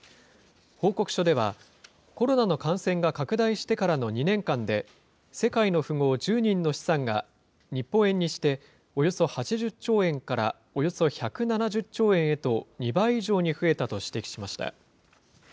報告書では、コロナの感染が拡大してからの２年間で、世界の富豪１０人の資産が日本円にして、およそ８０兆円からおよそ１７０兆円へと、２倍以上に増えたと指摘しました。